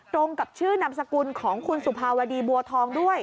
ตรงกับชื่อนามสกุลของคุณสุภาวดีบัวทองด้วย